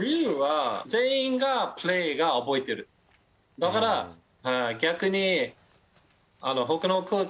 だから逆に。